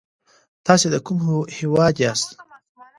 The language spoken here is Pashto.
تاسې د کوم هيواد ياست؟